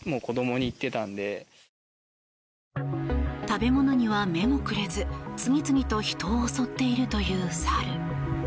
食べ物には目もくれず次々と人を襲っているという猿。